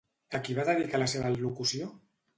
A qui va dedicar la seva al·locució?